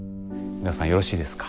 美輪さんよろしいですか？